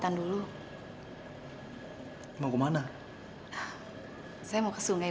terima kasih pak haji